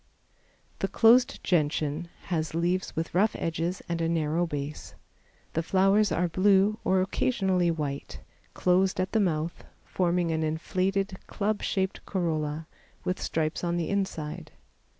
The closed Gentian has leaves with rough edges and a narrow base. The flowers are blue or occasionally white, closed at the mouth, forming an inflated, club shaped corolla, with stripes on the inside.